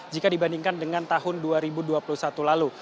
jika dibandingkan dengan tahun dua ribu dua puluh satu lalu